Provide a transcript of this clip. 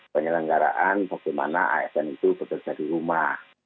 penyelenggaraan bagaimana asn itu bekerja di rumah